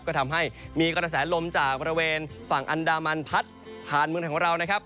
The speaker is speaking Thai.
ก็ทำให้มีกระแสลมจากบริเวณฝั่งอันดามันพัดผ่านเมืองไทยของเรานะครับ